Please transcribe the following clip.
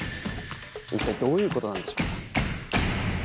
いったいどういうことなんでしょうか？